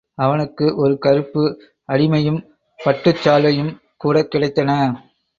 அவனுக்கு ஒரு கருப்பு அடிமையும் பட்டுச் சால்வையும் கூடக் கிடைத்தன.